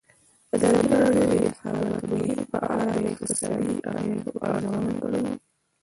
ازادي راډیو د د انتخاباتو بهیر په اړه د اقتصادي اغېزو ارزونه کړې.